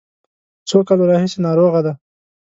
څو کالو راهیسې ناروغه دی.